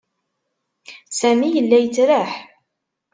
Sami yella yettraḥ.